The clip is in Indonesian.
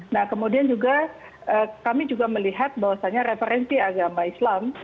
nah kemudian juga kami juga melihat bahwasannya referensi agama islam